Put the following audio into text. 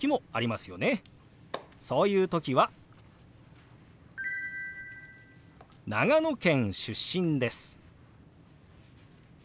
そういう時は「長野県出身です」